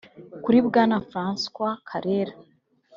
Kuri Bwana Francois Karera